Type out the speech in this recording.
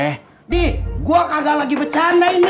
di gua kagak lagi becana ini